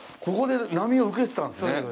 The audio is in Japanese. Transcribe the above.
ここで波を受けてたんですね？